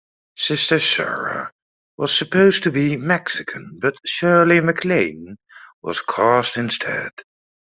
Sister Sara was supposed to be Mexican but Shirley MacLaine was cast instead.